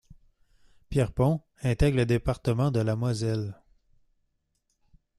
Pierrepont intègre le département de la Moselle.